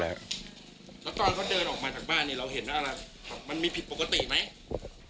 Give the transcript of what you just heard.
เราเห็นว่ามันมีผิดปกติไหม